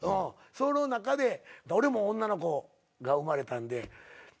その中で俺も女の子が生まれたんで。